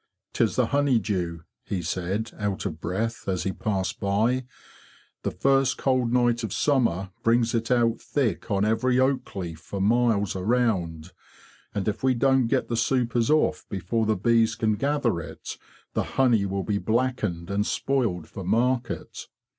'?Tis the honey dew,"' he said, out of breath, as he passed by. '' The first cold night of summer brings it out thick on every oak leaf for miles around; and if we don't get the supers off before the bees can gather it, the honey will be blackened and spoiled for market."